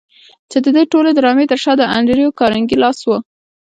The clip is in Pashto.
چې د دې ټولې ډرامې تر شا د انډريو کارنګي لاس و.